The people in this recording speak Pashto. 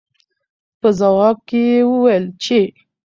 پۀ جواب کښې يې وويل چې